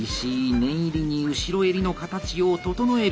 念入りに後ろ襟の形を整える。